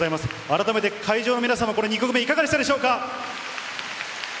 改めて会場の皆様、これ２曲目、いかがでしたでしょうか。